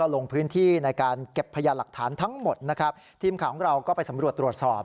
ลงพื้นที่ในการเก็บพยานหลักฐานทั้งหมดนะครับทีมข่าวของเราก็ไปสำรวจตรวจสอบ